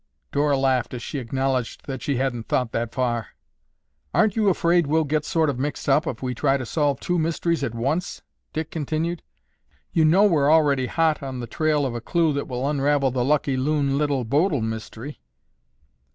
Dora laughed as she acknowledged that she hadn't thought that far. "Aren't you afraid we'll get sort of mixed up if we try to solve two mysteries at once?" Dick continued. "You know we're already hot on the trail of a clue that will unravel the Lucky Loon—Little Bodil mystery."